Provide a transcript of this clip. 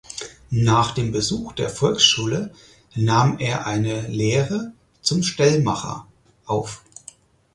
Nach dem Besuch der Volksschule nahm er eine Lehre zum Stellmacher auf.